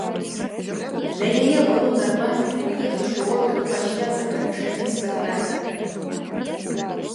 Для яе было нармальным прыехаць у оперу пасля заканчэння спектакля.